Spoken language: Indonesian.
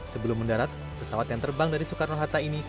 sebelum mendarat pesawat yang terbang dari soekarno hatta ini